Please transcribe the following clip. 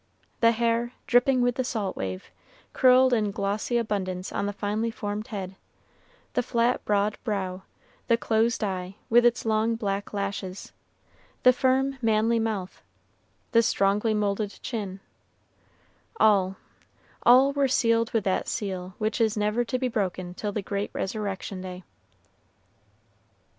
The hair, dripping with the salt wave, curled in glossy abundance on the finely formed head; the flat, broad brow; the closed eye, with its long black lashes; the firm, manly mouth; the strongly moulded chin, all, all were sealed with that seal which is never to be broken till the great resurrection day.